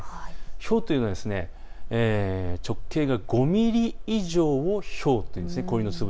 ひょうというのは直径が５ミリ以上をひょうといいます。